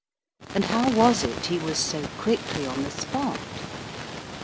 And how was it he was so quickly on the spot?